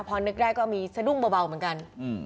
พอนึกได้ก็มีสะดุ้งเบาเหมือนกัน